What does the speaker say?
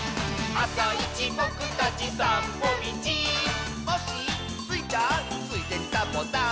「あさいちぼくたちさんぽみち」「コッシースイちゃん」「ついでにサボさん」